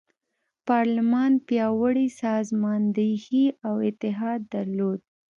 پارلمان پیاوړې سازماندهي او اتحاد درلود.